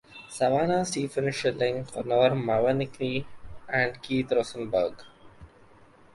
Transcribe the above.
Savannah, Stephen Schilling, Connor Mawhinney, and Keith Rosenburg.